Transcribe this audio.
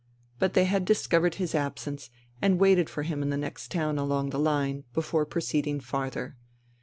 But they had discovered his absence and waited for him in the next town along the line, before proceeding farther.